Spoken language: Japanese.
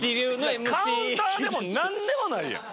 カウンターでも何でもないやん。